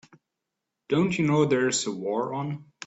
Don't you know there's a war on?